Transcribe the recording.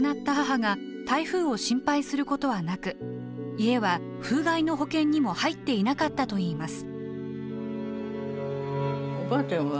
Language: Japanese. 家は風害の保険にも入っていなかったといいます。